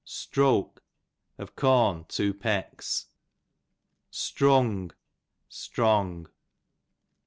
Stroke, of corn two pecks. Strung, strong.